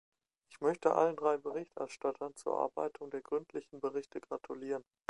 Ich möchte allen drei Berichterstattern zur Erarbeitung der gründlichen Berichte gratulieren.